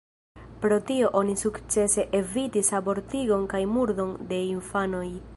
Pro tio oni sukcese evitis abortigon kaj murdon de infanoj.